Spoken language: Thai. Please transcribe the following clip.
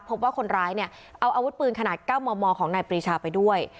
พบว่าคนร้ายเนี่ยเอาอาวุธปืนขนาด๙มมของนายปรีชาไปด้วย